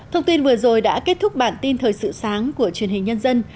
thông tin vừa rồi đã kết thúc bản tin thời sự sáng của truyền hình nhân dân